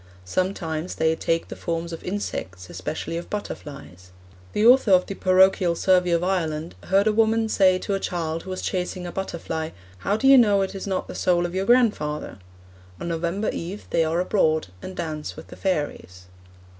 Sometimes they 'take the forms of insects, especially of butterflies.' The author of the Parochial Survey of Ireland 'heard a woman say to a child who was chasing a butterfly, "How do you know it is not the soul of your grandfather?" On November eve they are abroad, and dance with the fairies.'